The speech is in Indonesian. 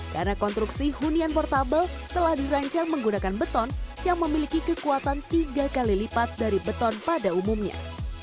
karena konstruksi hunian portable telah dirancang menggunakan beton yang memiliki kekuatan tiga kali lipat dari beton pada umumnya